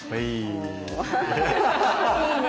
おいいね。